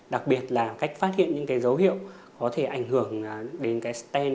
đặc biệt là cách phát hiện những dấu hiệu có thể ảnh hưởng đến stent